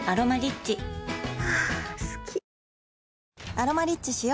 「アロマリッチ」しよ